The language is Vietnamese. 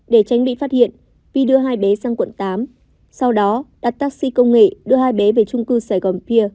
để tránh bị phát hiện vi đưa hai bé sang quận tám sau đó đặt taxi công nghệ đưa hai bé về trung cư sài gòn pia